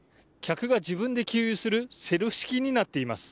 客が自分で給油するセルフ式になっています。